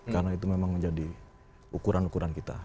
karena itu memang menjadi ukuran ukuran kita